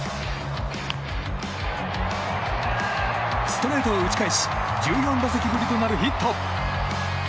ストレートを打ち返し１４打席ぶりとなるヒット。